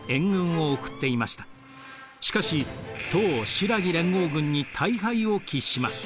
しかし唐・新羅連合軍に大敗を喫します。